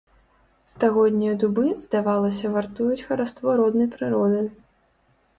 Стагоднія дубы, здавалася, вартуюць хараство роднай прыроды.